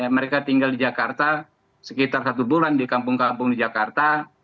mereka tinggal di jakarta sekitar satu bulan di kampung kampung di jakarta